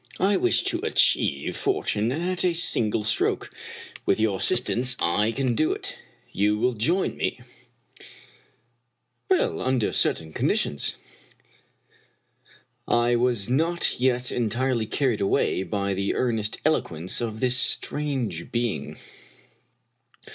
I wish to achieve fortune at a single stroke. With your assistance I can do it. You will join me !"" Under certain conditions." I was not yet entirely carried away by the earnest elo quence of this strange being.